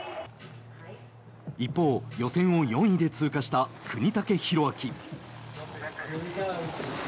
一方、予選を４位で通過した國武大晃。